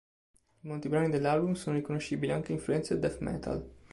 In molti brani dell'album sono riconoscibili anche influenze death metal.